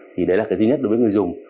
thì đấy là cái thứ nhất đối với người dùng